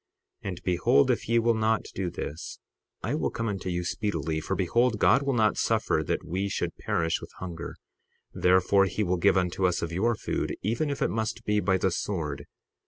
60:35 And behold, if ye will not do this I come unto you speedily; for behold, God will not suffer that we should perish with hunger; therefore he will give unto us of your food, even if it must be by the sword.